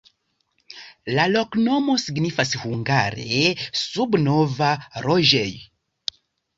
La loknomo signifas hungare: suba-nova-loĝej'.